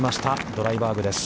ドライバーグです。